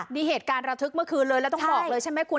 นี่เหตุการณ์ระทึกเมื่อคืนเลยแล้วต้องบอกเลยใช่ไหมคุณ